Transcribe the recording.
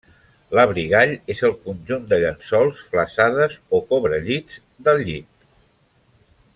L'abrigall és el conjunt de llençols, flassades o cobrellits del llit.